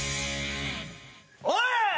おい！